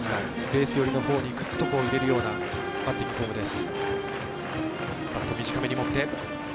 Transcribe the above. ベース寄りのほうにぐっと入れるようなバッティングフォームです。